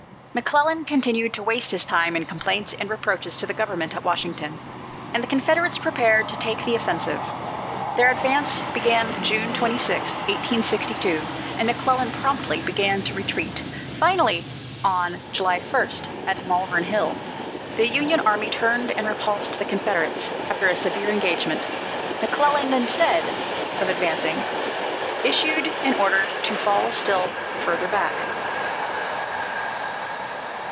McClellan continued to waste his time in complaints and reproaches to the government at Washington, and the Confederates prepared to take the offensive. Their advance began June 26, 1862, and McClellan promptly began to retreat. Finally, on July 1, at Malvern Hill, the Union army turned and repulsed the Confederates, after a severe engagement. McClellan, instead of advancing, issued an order to "fall still farther back."